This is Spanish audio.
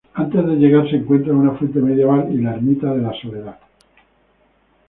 Antes de llegar se encuentran una fuente medieval y la ermita de la Soledad.